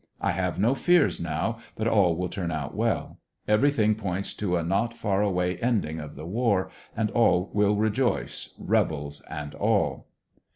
I have no fears now but all will turn out well. Every thing points to a not far away ending of the war, and all will re joice, rebels and all.